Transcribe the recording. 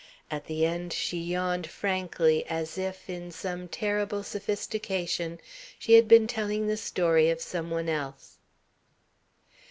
At the end she yawned frankly as if, in some terrible sophistication, she had been telling the story of some one else.